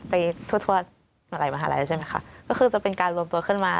ไปทั่วทั่วมาหลายมหาลัยใช่ไหมคะก็คือจะเป็นการรวมตัวขึ้นมา